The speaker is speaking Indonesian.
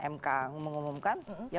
mk mengumumkan ya